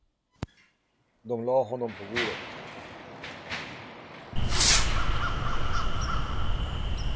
De lade honom på bordet.